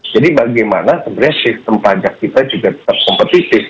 jadi bagaimana sebenarnya sistem pajak kita juga tetap kompetitif